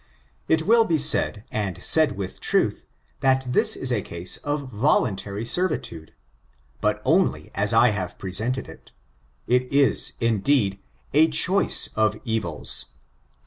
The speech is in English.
It will be said, and said with truth, that this is a case of voluntary servitude. But only as I have presented it. It is, indeed, a choice of evils.